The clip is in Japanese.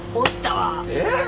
えっ？